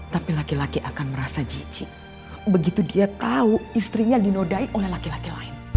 tapi laki laki akan merasa jijik begitu dia tahu istrinya dinodai oleh laki laki lain